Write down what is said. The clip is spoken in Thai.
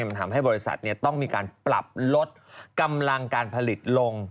มันทำให้บริษัทต้องมีการปรับลดกำลังการผลิตลง